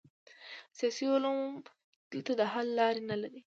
سیاسي علوم دلته د حل لاره نلري.